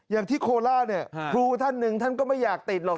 อย่างที่โคล่าครูท่านหนึ่งท่านก็ไม่อยากติดหรอก